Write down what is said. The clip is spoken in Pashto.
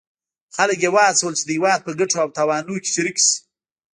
خلک یې وهڅول چې د هیواد په ګټو او تاوانونو کې شریک شي.